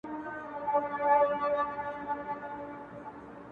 لمر ته ښېرې كومـه لـــمـر مــــــاتــــــــوم،